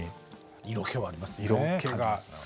色気はありますよね。